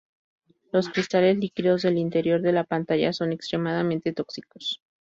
Los cristales líquidos del interior de la pantalla son extremadamente tóxicos.